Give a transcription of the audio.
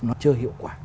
nó chưa hiệu quả